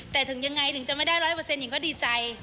แต่ถึงยังไงถึงจะไม่ได้ร้อยเปอร์เซ็นต์หญิงก็ดีใจ